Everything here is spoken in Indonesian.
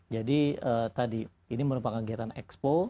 jadi tadi ini merupakan kegiatan ekspor